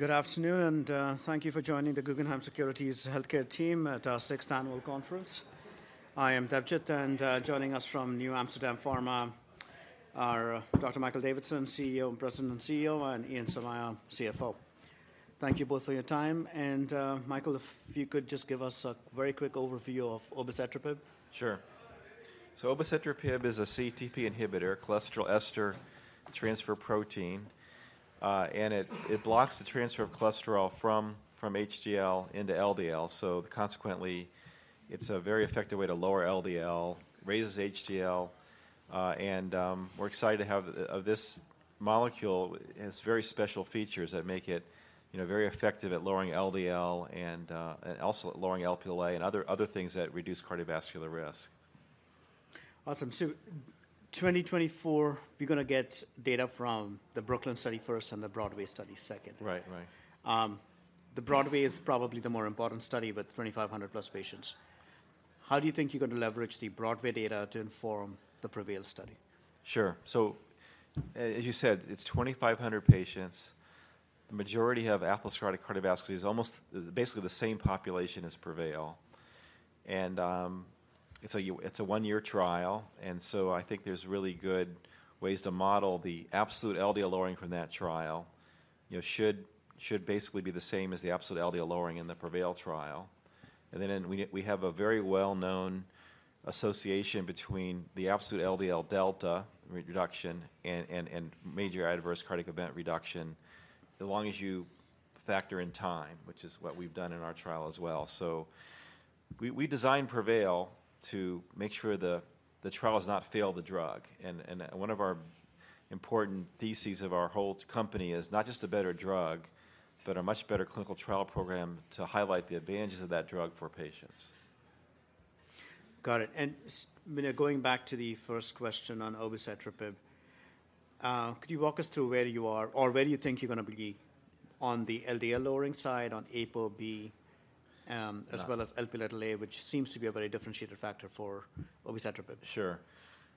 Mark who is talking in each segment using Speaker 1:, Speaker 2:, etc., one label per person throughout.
Speaker 1: Good afternoon, and, thank you for joining the Guggenheim Securities Healthcare Team at our sixth annual conference. I am Debjit, and, joining us from NewAmsterdam Pharma are Dr. Michael Davidson, CEO, President and CEO, and Ian Somaiya, CFO. Thank you both for your time, and, Michael, if you could just give us a very quick overview of obicetrapib?
Speaker 2: Sure. So obicetrapib is a CETP inhibitor, cholesteryl ester transfer protein, and it blocks the transfer of cholesterol from HDL into LDL. So consequently, it's a very effective way to lower LDL, raises HDL. We're excited to have this molecule. It has very special features that make it, you know, very effective at lowering LDL and also at lowering Lp(a) and other things that reduce cardiovascular risk.
Speaker 1: Awesome. So 2024, you're gonna get data from the BROOKLYN study first and the BROADWAY study second.
Speaker 2: Right, right.
Speaker 1: The BROADWAY is probably the more important study with 2,500+ patients. How do you think you're going to leverage the BROADWAY data to inform the PREVAIL study?
Speaker 2: Sure. So, as you said, it's 2,500 patients. The majority have atherosclerotic cardiovascular. It's almost, basically the same population as PREVAIL, and it's a one-year trial, and so I think there's really good ways to model the absolute LDL lowering from that trial. You know, should basically be the same as the absolute LDL lowering in the PREVAIL trial. And then, we have a very well-known association between the absolute LDL delta reduction and major adverse cardiac event reduction, as long as you factor in time, which is what we've done in our trial as well. So we designed PREVAIL to make sure the trial not fail the drug, and one of our important theses of our whole company is not just a better drug, but a much better clinical trial program to highlight the advantages of that drug for patients.
Speaker 1: Got it. You know, going back to the first question on obicetrapib, could you walk us through where you are, or where you think you're gonna be on the LDL lowering side, on ApoB?
Speaker 2: Yeah...
Speaker 1: as well as Lp(a), which seems to be a very differentiated factor for obicetrapib.
Speaker 2: Sure.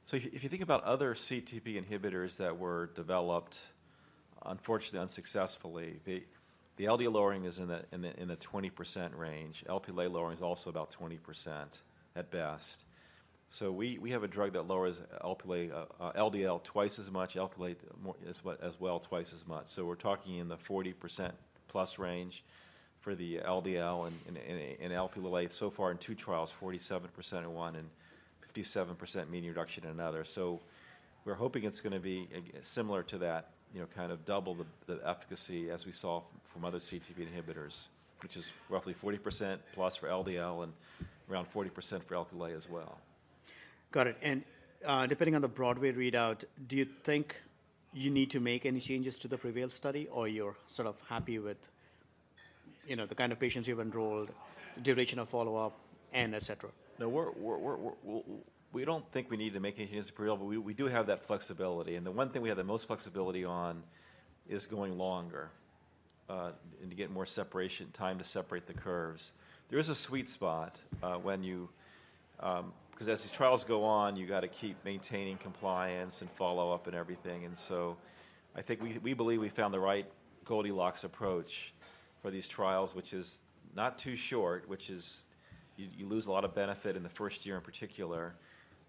Speaker 2: So if, if you think about other CETP inhibitors that were developed, unfortunately, unsuccessfully, the, the LDL lowering is in the, in the, in the 20% range. Lp(a) lowering is also about 20%, at best. So we, we have a drug that lowers Lp(a), LDL twice as much, Lp(a) as well, twice as much. So we're talking in the 40% plus range for the LDL and, and, and Lp(a). So far, in two trials, 47% in one and 57% mean reduction in another. So we're hoping it's gonna be similar to that, you know, kind of double the, the efficacy as we saw from, from other CETP inhibitors, which is roughly 40% plus for LDL and around 40% for Lp(a) as well.
Speaker 1: Got it. And, depending on the BROADWAY readout, do you think you need to make any changes to the PREVAIL study, or you're sort of happy with, you know, the kind of patients you've enrolled, the duration of follow-up, and et cetera?
Speaker 2: No, we don't think we need to make any changes to PREVAIL, but we do have that flexibility, and the one thing we have the most flexibility on is going longer, and to get more separation, time to separate the curves. There is a sweet spot, when you... 'Cause as these trials go on, you've got to keep maintaining compliance and follow-up and everything, and so I think we believe we found the right Goldilocks approach for these trials, which is not too short, which is, you lose a lot of benefit in the first year, in particular.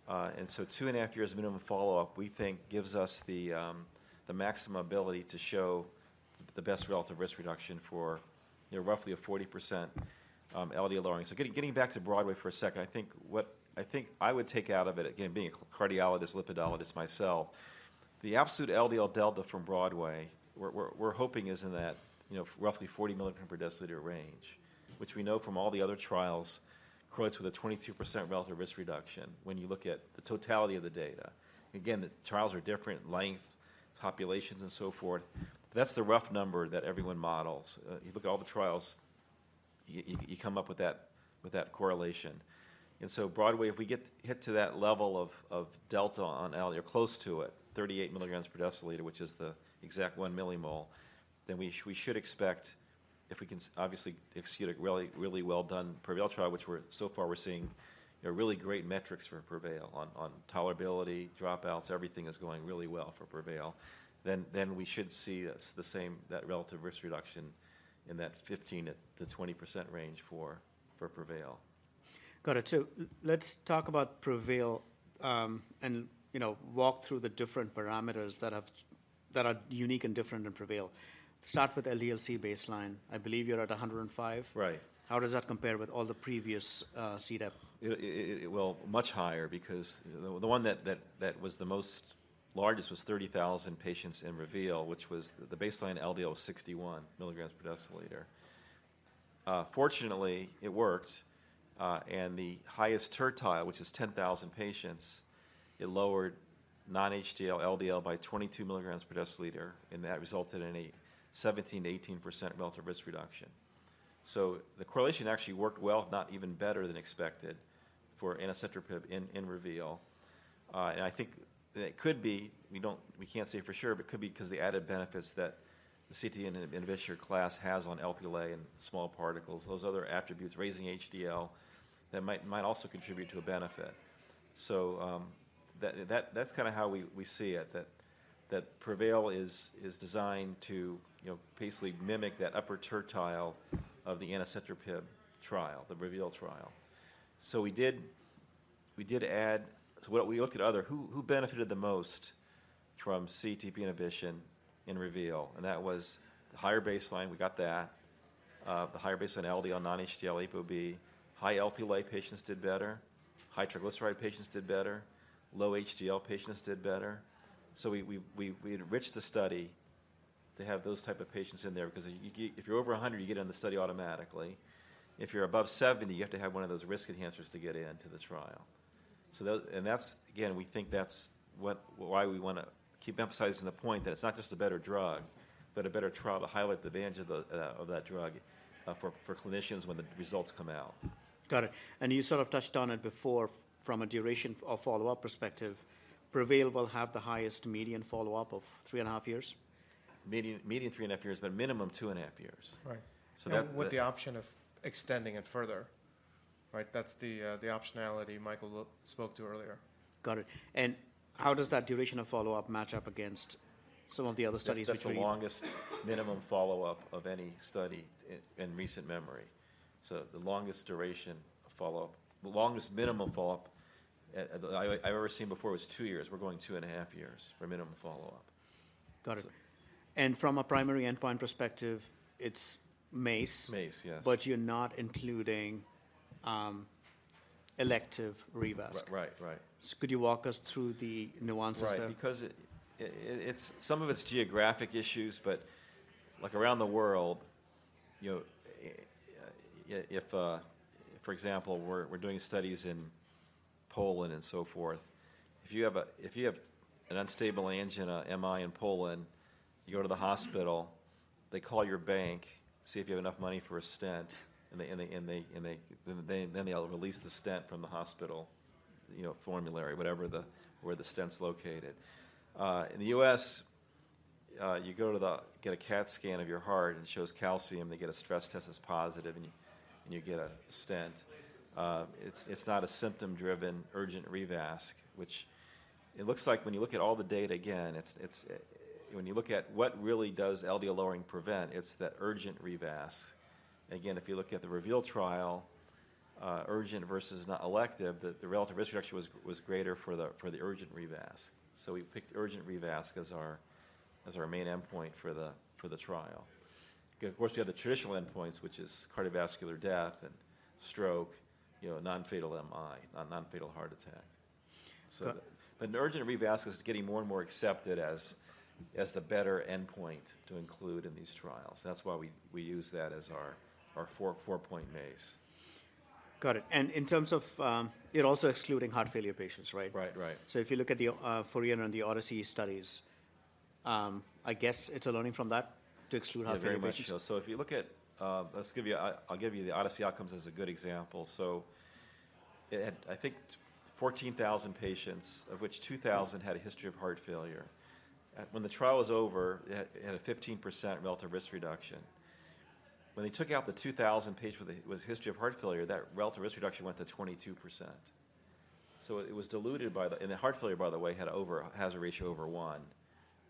Speaker 2: And so two and a half years minimum follow-up, we think gives us the maximum ability to show the best relative risk reduction for, you know, roughly a 40% LDL lowering. So getting back to BROADWAY for a second, I think what I would take out of it, again, being a cardiologist, lipidologist myself, the absolute LDL delta from BROADWAY, we're hoping is in that, you know, roughly 40 mg per deciliter range, which we know from all the other trials correlates with a 22% relative risk reduction when you look at the totality of the data. Again, the trials are different, length, populations, and so forth. That's the rough number that everyone models. You look at all the trials, you come up with that correlation. And so BROADWAY, if we get to that level of delta on LDL, or close to it, 38 mg per deciliter, which is the exact 1 mmol, then we should expect, if we can obviously execute a really, really well-done PREVAIL trial, which we're so far seeing, you know, really great metrics for PREVAIL on tolerability, dropouts, everything is going really well for PREVAIL. Then we should see the same, that relative risk reduction in that 15%-20% range for PREVAIL.
Speaker 1: Got it. So let's talk about PREVAIL, and, you know, walk through the different parameters that have... that are unique and different in PREVAIL. Start with LDL-C baseline. I believe you're at 105?
Speaker 2: Right.
Speaker 1: How does that compare with all the previous CETP?
Speaker 2: Well, much higher because the one that was the most largest was 30,000 patients in REVEAL, which was the baseline LDL was 61 mg/dL. Fortunately, it worked, and the highest tertile, which is 10,000 patients, it lowered non-HDL LDL by 22 mg/dL, and that resulted in a 17%-18% relative risk reduction. So the correlation actually worked well, if not even better than expected for anacetrapib in REVEAL. And I think that it could be, we can't say for sure, but it could be 'cause the added benefits that the CETP inhibitor class has on Lp(a) and small particles, those other attributes, raising HDL, that might also contribute to a benefit. So, that's kinda how we see it, that PREVAIL is designed to, you know, basically mimic that upper tertile of the anacetrapib trial, the REVEAL trial. So we did add to what. We looked at other—who benefited the most from CETP inhibition in REVEAL? And that was the higher baseline, we got that, the higher baseline LDL, non-HDL, ApoB. High Lp patients did better. High triglyceride patients did better. Low HDL patients did better. So we enriched the study to have those type of patients in there because you—if you're over 100, you get on the study automatically. If you're above 70, you have to have one of those risk enhancers to get in to the trial. That's, again, we think that's what, why we wanna keep emphasizing the point that it's not just a better drug, but a better trial to highlight the advantage of that drug for clinicians when the results come out.
Speaker 1: Got it. And you sort of touched on it before from a duration of follow-up perspective, PREVAIL will have the highest median follow-up of 3.5 years?
Speaker 2: Median 3.5 years, but a minimum 2.5 years.
Speaker 1: Right.
Speaker 2: So that-
Speaker 3: With the option of extending it further, right? That's the optionality Michael spoke to earlier.
Speaker 1: Got it. How does that duration of follow-up match up against some of the other studies that you-
Speaker 2: That's, that's the longest minimum follow-up of any study in recent memory. So the longest duration of follow-up... The longest minimum follow-up, I've ever seen before was two years. We're going 2.5 years for minimum follow-up.
Speaker 1: Got it.
Speaker 2: So-
Speaker 1: From a primary endpoint perspective, it's MACE?
Speaker 2: MACE, yes.
Speaker 1: But you're not including, elective revasc.
Speaker 2: Right, right.
Speaker 1: So could you walk us through the nuances there?
Speaker 2: Right. Because it, it's... Some of it's geographic issues, but, like, around the world, you know, if, for example, we're, we're doing studies in Poland and so forth. If you have a, if you have an unstable angina, an MI in Poland, you go to the hospital, they call your bank, see if you have enough money for a stent, and they, and they, and they, and they... Then, then they'll release the stent from the hospital, you know, formulary, whatever the, where the stent's located. In the U.S., you go to the, get a CAT scan of your heart, and it shows calcium. They get a stress test that's positive, and you, and you get a stent. It's, it's not a symptom-driven, urgent revasc, which it looks like when you look at all the data, again, it's, it's... When you look at what really does LDL-lowering prevent, it's the urgent revasc. Again, if you look at the REVEAL trial, urgent versus non-elective, the relative risk reduction was greater for the urgent revasc. So we picked urgent revasc as our main endpoint for the trial. Of course, we have the traditional endpoints, which is cardiovascular death and stroke, you know, non-fatal MI, non-fatal heart attack.
Speaker 1: Go-
Speaker 2: So, but an urgent revasc is getting more and more accepted as the better endpoint to include in these trials. That's why we use that as our 4-point MACE.
Speaker 1: Got it. And in terms of, you're also excluding heart failure patients, right?
Speaker 2: Right. Right.
Speaker 1: If you look at the FOURIER and the ODYSSEY studies, I guess it's a learning from that, to exclude heart failure patients?
Speaker 2: Yeah, very much so. So if you look at, let's give you, I'll give you the ODYSSEY OUTCOMES as a good example. So it had, I think, 14,000 patients, of which 2,000 had a history of heart failure. When the trial was over, it had a 15% relative risk reduction. When they took out the 2,000 patients with a history of heart failure, that relative risk reduction went to 22%. So it was diluted by the... And the heart failure, by the way, had over, has a ratio over one,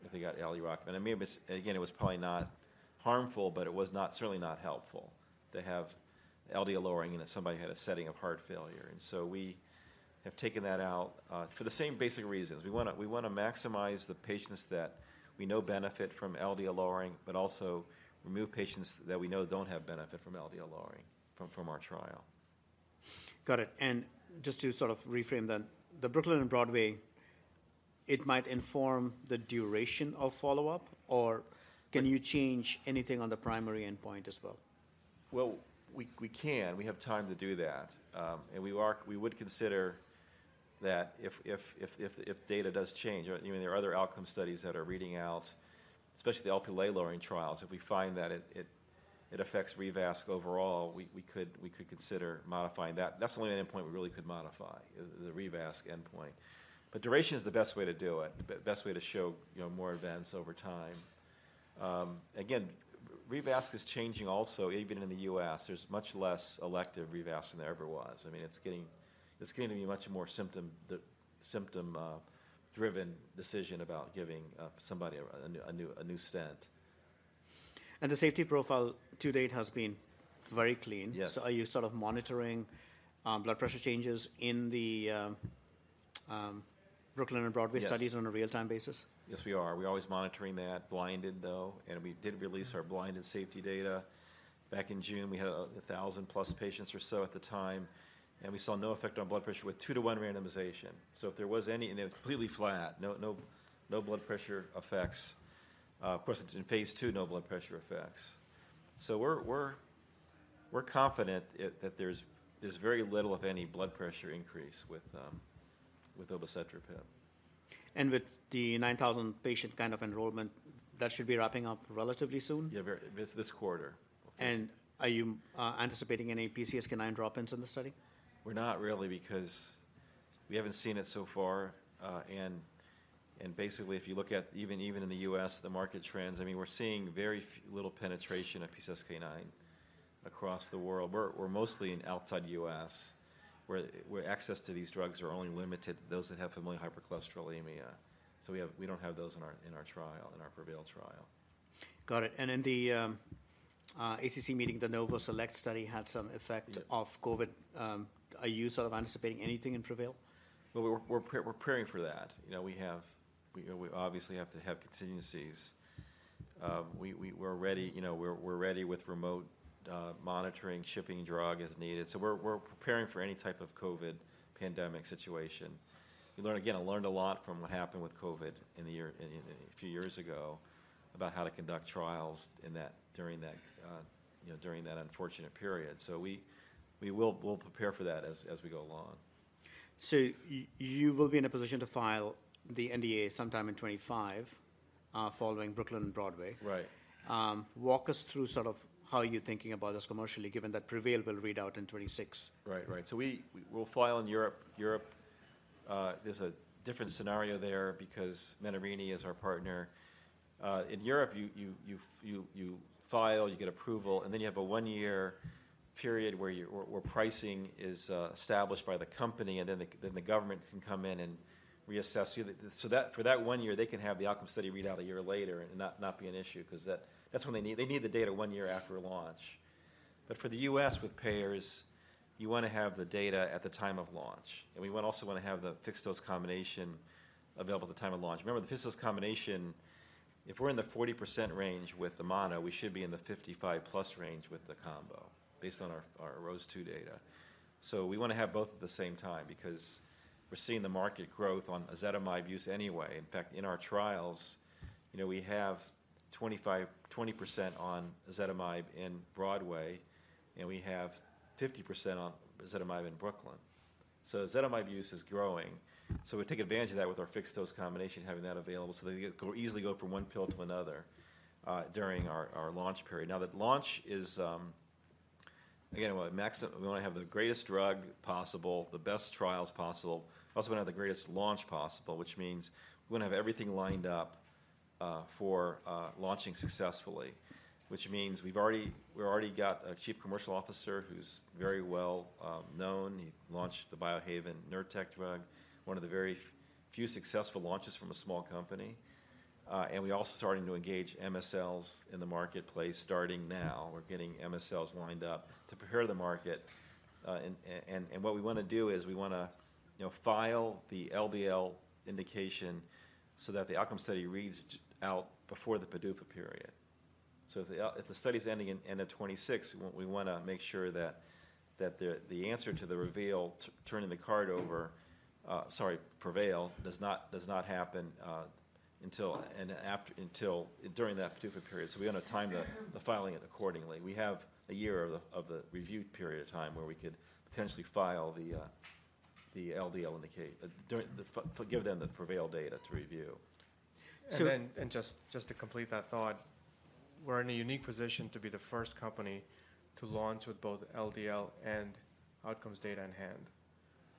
Speaker 2: if they got alirocumab. But I mean, but again, it was probably not harmful, but it was not, certainly not helpful to have LDL lowering, and somebody had a setting of heart failure. And so we have taken that out for the same basic reasons. We wanna maximize the patients that we know benefit from LDL lowering, but also remove patients that we know don't have benefit from LDL lowering from our trial.
Speaker 1: Got it. Just to sort of reframe, then, the BROOKLYN and BROADWAY, it might inform the duration of follow-up, or can you change anything on the primary endpoint as well?
Speaker 2: Well, we can. We have time to do that, and we would consider that if data does change. I mean, there are other outcome studies that are reading out, especially the Lp lowering trials. If we find that it affects revasc overall, we could consider modifying that. That's the only endpoint we really could modify, the revasc endpoint. But duration is the best way to do it, the best way to show, you know, more events over time. Again, revasc is changing also, even in the U.S. There's much less elective revasc than there ever was. I mean, it's getting to be a much more symptom driven decision about giving somebody a new stent.
Speaker 1: The safety profile to date has been very clean.
Speaker 2: Yes.
Speaker 1: So are you sort of monitoring blood pressure changes in the BROOKLYN and BROADWAY-
Speaker 2: Yes...
Speaker 1: studies on a real-time basis?
Speaker 2: Yes, we are. We're always monitoring that, blinded, though, and we did release our blinded safety data back in June. We had 1,000-plus patients or so at the time, and we saw no effect on blood pressure with 2-to-1 randomization. So if there was any, and it was completely flat, no, no, no blood pressure effects. Of course, it's in phase II, no blood pressure effects. So we're confident that there's very little, if any, blood pressure increase with obicetrapib.
Speaker 1: With the 9,000 patient kind of enrollment, that should be wrapping up relatively soon?
Speaker 2: Yeah, very... This quarter.
Speaker 1: Are you anticipating any PCSK9 drop-ins in the study?
Speaker 2: We're not really, because we haven't seen it so far. And basically, if you look at even in the U.S., the market trends, I mean, we're seeing very little penetration of PCSK9 across the world. We're mostly outside the U.S., where access to these drugs are only limited to those that have familial hypercholesterolemia. So we don't have those in our trial, in our PREVAIL trial.
Speaker 1: Got it. And in the ACC meeting, the Novo SELECT study had some effect-
Speaker 2: Yeah...
Speaker 1: of COVID. Are you sort of anticipating anything in PREVAIL?
Speaker 2: Well, we're preparing for that. You know, we have, you know, we obviously have to have contingencies. We're ready, you know, we're ready with remote monitoring, shipping drug as needed. So we're preparing for any type of COVID pandemic situation. Again, I learned a lot from what happened with COVID in a few years ago, about how to conduct trials during that, you know, during that unfortunate period. So we will, we'll prepare for that as we go along.
Speaker 1: You will be in a position to file the NDA sometime in 2025, following BROOKLYN and BROADWAY?
Speaker 2: Right.
Speaker 1: Walk us through sort of how you're thinking about this commercially, given that PREVAIL will read out in 2026?
Speaker 2: Right, right. So we'll file in Europe. Europe is a different scenario there because Menarini is our partner. In Europe, you file, you get approval, and then you have a one-year period where pricing is established by the company, and then the government can come in and reassess. You know, so that, for that one year, they can have the outcome study read out a year later, and not be an issue 'cause that's when they need the data one year after launch. But for the U.S., with payers, you wanna have the data at the time of launch, and we also wanna have the fixed-dose combination available at the time of launch. Remember, the fixed-dose combination, if we're in the 40% range with the mono, we should be in the 55%+ range with the combo, based on our ROSE2 data. So we wanna have both at the same time because we're seeing the market growth on ezetimibe use anyway. In fact, in our trials, you know, we have 20% on ezetimibe in BROADWAY, and we have 50% on ezetimibe in BROOKLYN. So ezetimibe use is growing, so we take advantage of that with our fixed-dose combination, having that available, so they easily go from one pill to another during our launch period. Now, that launch is, again, we wanna have the greatest drug possible, the best trials possible. Also, wanna have the greatest launch possible, which means we're gonna have everything lined up for launching successfully, which means we're already got a chief commercial officer who's very well known. He launched the Biohaven Nurtec drug, one of the very few successful launches from a small company. And we're also starting to engage MSLs in the marketplace, starting now. We're getting MSLs lined up to prepare the market. And what we wanna do is we wanna, you know, file the LDL indication so that the outcome study reads out before the PDUFA period. So if the study's ending in end of 2026, we want, we wanna make sure that the answer to the REVEAL, turning the card over. Sorry, PREVAIL does not happen until during that PDUFA period. So we wanna time the filing accordingly. We have a year of the review period of time where we could potentially file the LDL indica- during the f- give them the PREVAIL data to review.
Speaker 1: So-
Speaker 3: And then, and just, just to complete that thought, we're in a unique position to be the first company to launch with both LDL and outcomes data in hand,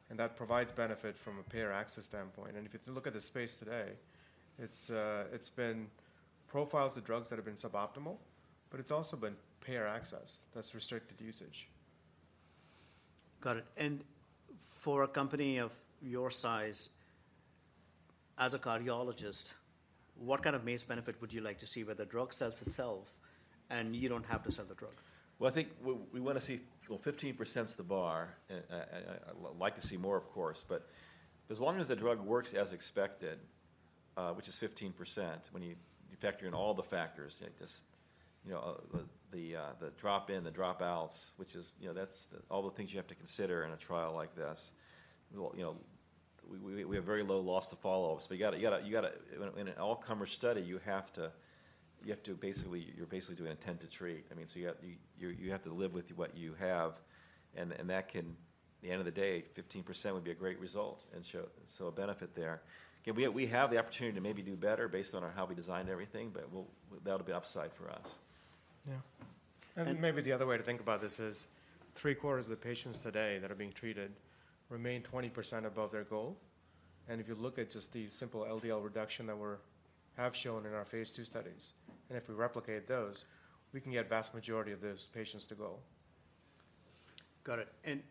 Speaker 3: and that provides benefit from a payer access standpoint. And if you look at the space today, it's, it's been profiles of drugs that have been suboptimal, but it's also been payer access that's restricted usage.
Speaker 1: Got it. For a company of your size, as a cardiologist, what kind of MACE benefit would you like to see, where the drug sells itself, and you don't have to sell the drug?
Speaker 2: Well, I think we wanna see... Well, 15%'s the bar. Like to see more, of course, but as long as the drug works as expected, which is 15%, when you factor in all the factors, like this, you know, the drop-in, the dropouts, which is, you know, that's the... All the things you have to consider in a trial like this. Well, you know, we have very low loss to follow-ups, but you gotta... In an all-comer study, you have to basically, you're basically doing intent to treat. I mean, so you have to live with what you have, and that can... At the end of the day, 15% would be a great result and show a benefit there. Again, we have the opportunity to maybe do better based on how we designed everything, but that'll be upside for us.
Speaker 1: Yeah. And-
Speaker 3: Maybe the other way to think about this is three-quarters of the patients today that are being treated remain 20% above their goal. If you look at just the simple LDL reduction that we have shown in our phase II studies, and if we replicate those, we can get vast majority of those patients to goal.
Speaker 1: Got it.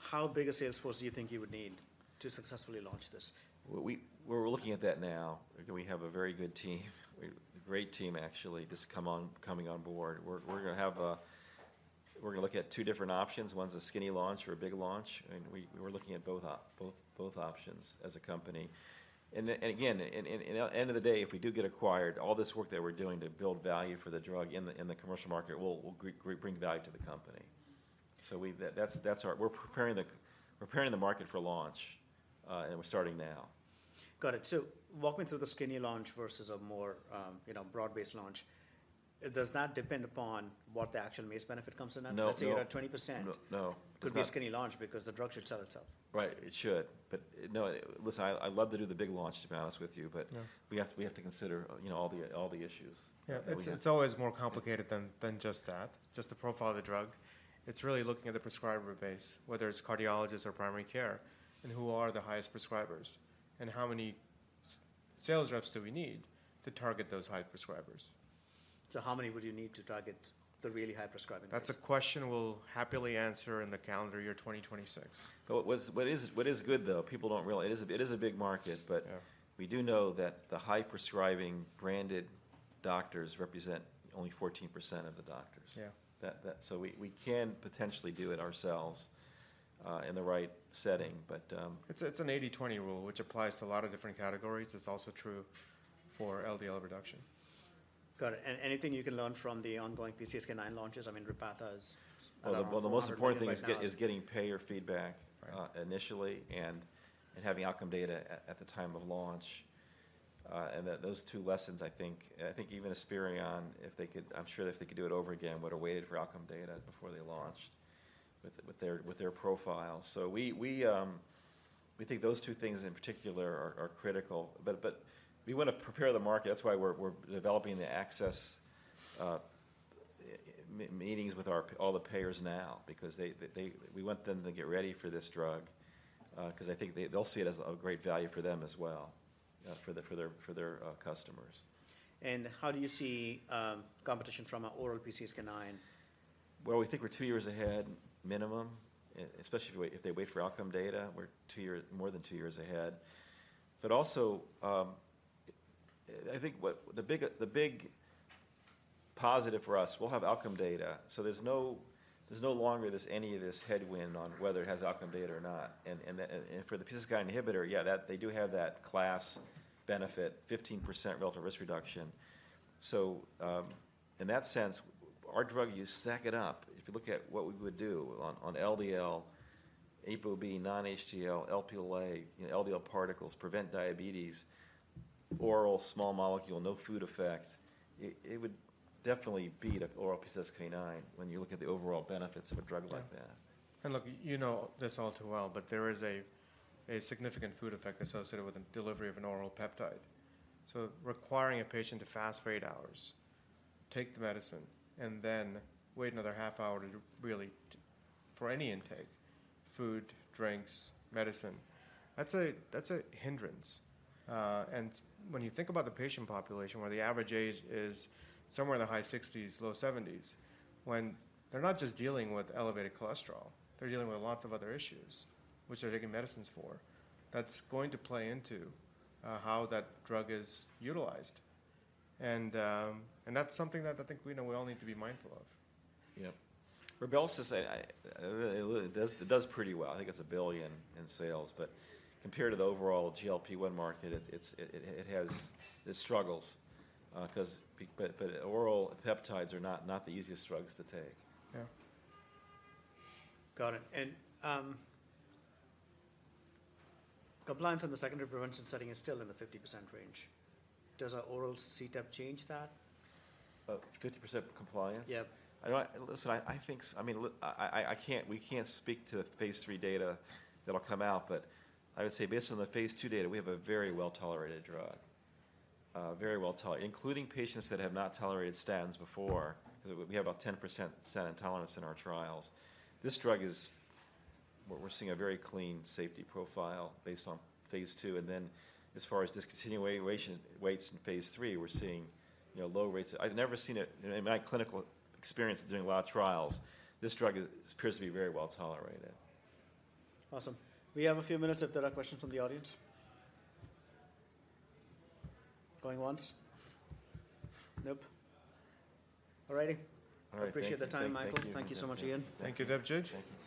Speaker 1: How big a sales force do you think you would need to successfully launch this?
Speaker 2: Well, we're looking at that now, and we have a very good team. A great team, actually, just coming on board. We're gonna look at two different options. One's a skinny launch or a big launch, and we're looking at both options as a company. And then, again, at the end of the day, if we do get acquired, all this work that we're doing to build value for the drug in the commercial market will bring value to the company. So that's our... We're preparing the market for launch, and we're starting now.
Speaker 1: Got it. So walk me through the skinny launch versus a more, you know, broad-based launch. Does that depend upon what the actual MACE benefit comes in at?
Speaker 2: No, no.
Speaker 1: Let's say you're at 20%-
Speaker 2: No, no. Could not-
Speaker 1: Could be a skinny launch because the drug should sell itself.
Speaker 2: Right, it should. But, no, listen, I, I'd love to do the big launch, to be honest with you, but-
Speaker 1: Yeah...
Speaker 2: we have to consider, you know, all the issues.
Speaker 3: Yeah.
Speaker 2: And we-
Speaker 3: It's always more complicated than just that, just the profile of the drug. It's really looking at the prescriber base, whether it's cardiologists or primary care, and who are the highest prescribers, and how many sales reps that we need to target those high prescribers.
Speaker 1: How many would you need to target the really high prescribing doctors?
Speaker 3: That's a question we'll happily answer in the calendar year 2026.
Speaker 2: But what's good, though, people don't realize it is a big market-
Speaker 3: Yeah
Speaker 2: - but we do know that the high-prescribing branded doctors represent only 14% of the doctors.
Speaker 3: Yeah.
Speaker 2: That, so we can potentially do it ourselves in the right setting. But-
Speaker 3: It's an 80/20 rule, which applies to a lot of different categories. It's also true for LDL reduction.
Speaker 1: Got it. And anything you can learn from the ongoing PCSK9 launches? I mean, Repatha is-
Speaker 2: Well, the most important thing is getting payer feedback-
Speaker 3: Right...
Speaker 2: initially, and having outcome data at the time of launch. And that those two lessons, I think, even Esperion, if they could... I'm sure if they could do it over again, would have waited for outcome data before they launched with their profile. So we think those two things in particular are critical. But we want to prepare the market. That's why we're developing the access meetings with all the payers now, because they, we want them to get ready for this drug, 'cause I think they'll see it as of great value for them as well, for their customers.
Speaker 1: How do you see competition from an oral PCSK9?
Speaker 2: Well, we think we're two years ahead, minimum, especially if they wait, if they wait for outcome data, we're two years, more than two years ahead. But also, I think what the big, the big positive for us, we'll have outcome data, so there's no, there's no longer this, any of this headwind on whether it has outcome data or not. And, and for the PCSK9 inhibitor, yeah, that they do have that class benefit, 15% relative risk reduction. So, in that sense, our drug, you stack it up, if you look at what we would do on, on LDL, ApoB, non-HDL, Lp(a), you know, LDL particles, prevent diabetes, oral small molecule, no food effect, it, it would definitely beat an oral PCSK9 when you look at the overall benefits of a drug like that.
Speaker 3: And look, you know this all too well, but there is a significant food effect associated with the delivery of an oral peptide. So requiring a patient to fast for 8 hours, take the medicine, and then wait another half hour for any intake, food, drinks, medicine, that's a hindrance. And when you think about the patient population, where the average age is somewhere in the high 60s, low 70s, when they're not just dealing with elevated cholesterol, they're dealing with lots of other issues, which they're taking medicines for, that's going to play into how that drug is utilized. And that's something that I think we know we all need to be mindful of.
Speaker 2: Yep. Rybelsus, it does pretty well. I think it's $1 billion in sales, but compared to the overall GLP-1 market, it struggles 'cause but oral peptides are not the easiest drugs to take.
Speaker 3: Yeah.
Speaker 1: Got it. And, compliance in the secondary prevention setting is still in the 50% range. Does an oral CETP change that?
Speaker 2: 50% compliance?
Speaker 1: Yep.
Speaker 2: Listen, I think, I mean, look, I can't, we can't speak to the phase III data that'll come out, but I would say based on the phase II data, we have a very well-tolerated drug, very well-tolerated, including patients that have not tolerated statins before, 'cause we have about 10% statin intolerance in our trials. This drug is what we're seeing, a very clean safety profile based on phase II, and then as far as discontinuation rates in phase III, we're seeing, you know, low rates. I've never seen it in my clinical experience of doing a lot of trials, this drug appears to be very well-tolerated.
Speaker 1: Awesome. We have a few minutes if there are questions from the audience. Going once? Nope. All righty.
Speaker 2: All right.
Speaker 1: I appreciate the time, Michael.
Speaker 2: Thank you.
Speaker 1: Thank you so much again.
Speaker 3: Thank you, Debjit.
Speaker 2: Thank you.